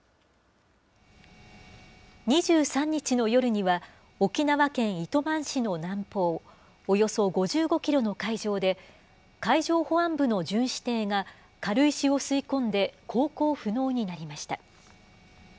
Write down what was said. ２３日の夜には、沖縄県糸満市の南方およそ５５キロの海上で、海上保安部の巡視艇が、軽石を吸い込んで航行不能になりました。